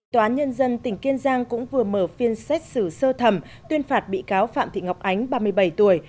tòa án nhân dân tỉnh kiên giang cũng vừa mở phiên xét xử sơ thẩm tuyên phạt bị cáo phạm thị ngọc ánh ba mươi bảy tuổi